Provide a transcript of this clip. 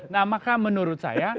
nah maka menurut saya